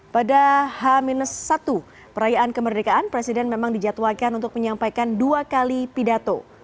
pada h satu perayaan kemerdekaan presiden memang dijadwalkan untuk menyampaikan dua kali pidato